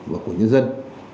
và của nhân dân